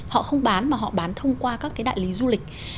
họ không bán mà họ bán thông qua các cái đại lý du lịch